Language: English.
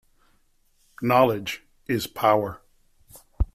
Knowledge is power.